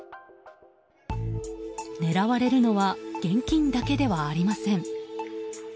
狙われるのは現金だけではありません。